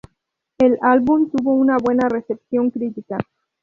El álbum tuvo una buena recepción crítica.